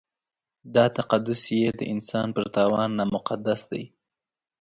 دا تقدس یې د انسان پر تاوان نامقدس دی.